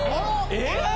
えっ！